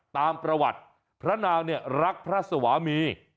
ตามประวัติพระนางเนี่ยรักพระสวามี